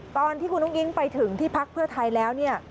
ตอนที่คุณลุ้งอิ๊งไปถึงที่พรรคเพื่อไทยแล้ว